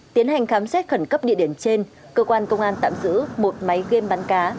tiến hành khám xét khẩn cấp địa điểm trên cơ quan công an tạm giữ một máy game bắn cá